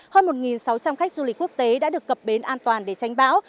hơn một sáu trăm linh khách du lịch quốc tế đã được cập bến an toàn để tranh bão